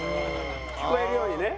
聞こえるようにね。